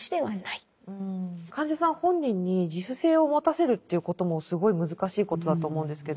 患者さん本人に自主性を持たせるということもすごい難しいことだと思うんですけど。